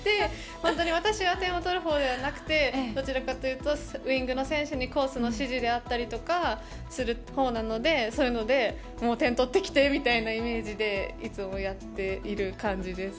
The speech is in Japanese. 本当に私は点を取るほうではなくどちらかというとウイングの選手にコースの指示であったりするほうなのでそういうので点、取ってきてみたいなイメージでいつもやっている感じです。